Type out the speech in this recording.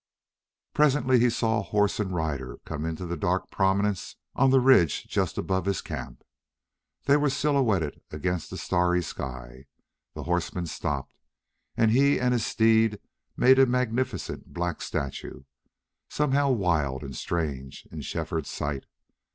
Presently he saw a horse and rider come into dark prominence on the ridge just above his camp. They were silhouetted against the starry sky. The horseman stopped and he and his steed made a magnificent black statue, somehow wild and strange, in Shefford's sight.